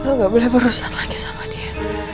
lo gak boleh berurusan lagi sama dia